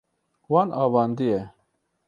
Wan avandiye.